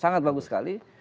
sangat bagus sekali